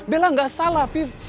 bella gak salah viv